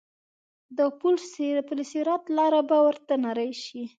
د پل صراط لاره به ورته نرۍ شي.